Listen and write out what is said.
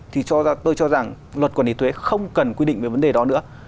thì tôi cho rằng luật quản lý thuế không cần quy định về vấn đề đó nữa